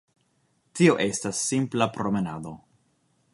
Tio estas simpla promenado.